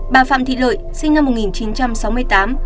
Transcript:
bà phạm thị lợi sinh năm một nghìn chín trăm sáu mươi tám